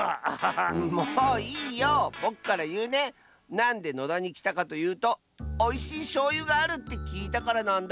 なんで野田にきたかというとおいしいしょうゆがあるってきいたからなんだ。